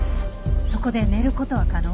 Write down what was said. そこで寝る事は可能？